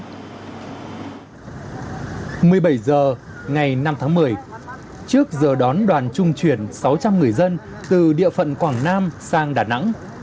một mươi bảy h ngày năm tháng một mươi trước giờ đón đoàn trung chuyển sáu trăm linh người dân từ địa phận quảng nam sang đà nẵng